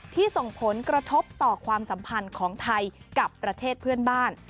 ส่งผลกระทบต่อความสัมพันธ์ของไทยกับประเทศเพื่อนบ้าน